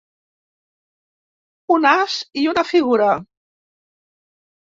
Un as i una figura.